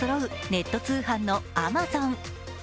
ネット通販のアマゾン。